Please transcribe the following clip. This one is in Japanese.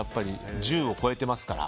１０を超えてますから。